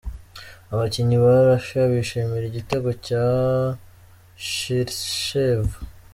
Abakinnyi ba Russia bishimira igitego cya Cherchev.